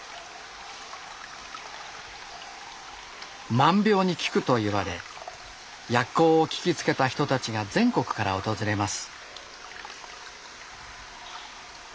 万病に効くといわれ薬効を聞きつけた人たちが全国から訪れます。